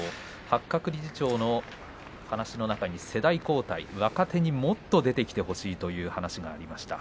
八角理事長の話の中に世代交代、若手にもっと出てきてほしいという話がありました。